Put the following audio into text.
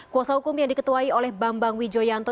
kuasa hukum yang diketuai oleh bambang wijoyanto